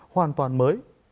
hoàn toàn mới